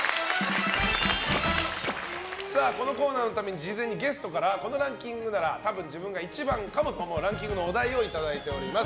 このコーナーのために事前にゲストからこのランキングなら多分自分が１番かもと思うランキングのお題をいただいております。